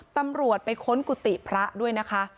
ตำรวจไปค้นกุฏิพระด้วยนะคะ